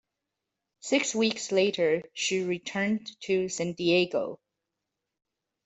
Six weeks later, she returned to San Diego.